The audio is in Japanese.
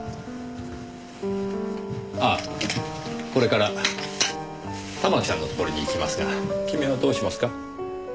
あっこれからたまきさんのところに行きますが君はどうしますか？